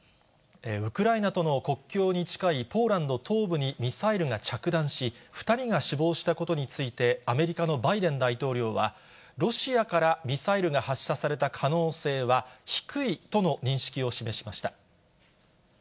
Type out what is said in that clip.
ウクライナとの国境に近いポーランド東部にミサイルが着弾し、２人が死亡したことについて、アメリカのバイデン大統領は、ロシアからミサイルが発射された可能性は低いとの認識を示しました。